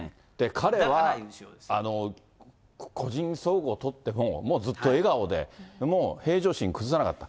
彼は個人総合とっても、もうずっと笑顔で、もう平常心崩さなかった。